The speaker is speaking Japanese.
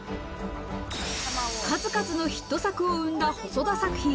数々のヒット作を生んだ細田作品。